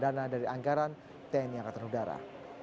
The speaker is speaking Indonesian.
dana dari anggaran tni angkatan udara